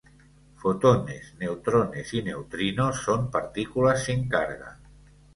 Fotones, neutrones y neutrinos son partículas sin carga.